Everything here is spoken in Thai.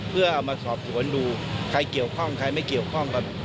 เพื่อเอามาสอบสวนดูใครเกี่ยวข้องใครไม่เกี่ยวข้องกัน